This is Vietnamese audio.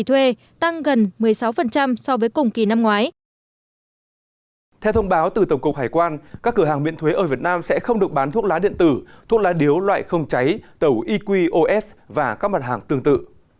theo thông báo từ tổng cục hải quan các cửa hàng miễn thuế ở việt nam sẽ không được bán thuốc lá điện tử thuốc lá điếu loại không cháy tàu eqos và các mặt hàng tương tự